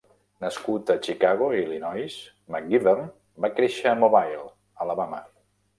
Nascut a Chicago, Illinois, McGivern va créixer a Mobile, Alabama.